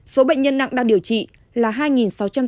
số bệnh nhân nặng đang điều trị là hai sáu trăm tám mươi bảy ca